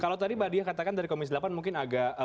kalau tadi mbak diah katakan dari komisi delapan mungkin agak